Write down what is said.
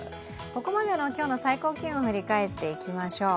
ここまでの今日の最高気温を振り返っていきましょう。